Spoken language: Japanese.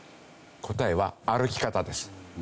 答えは歩き方です。